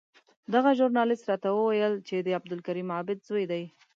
دغه ژورنالېست راته وویل چې د عبدالکریم عابد زوی دی.